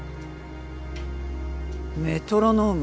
メトロノーム。